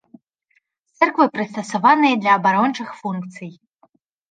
Цэрквы прыстасаваныя для абарончых функцый.